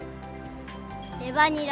レバニラ。